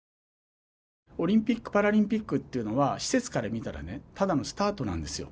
オリンピック・パラリンピックというのは施設から見たらねただのスタートなんですよ。